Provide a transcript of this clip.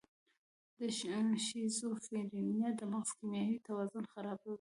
د شیزوفرینیا د مغز کیمیاوي توازن خرابوي.